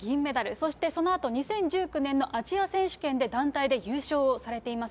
そしてそのあと、２０１９年のアジア選手権で団体で優勝をされています。